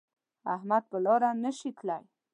احمد په لاره نشي تللی